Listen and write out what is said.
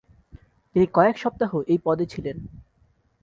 তিনি কয়েক সপ্তাহ এই পদে ছিলেন।